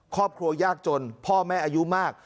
ครอบครัวยากจนพ่อแม่อายุมาก